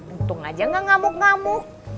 untung aja gak ngamuk ngamuk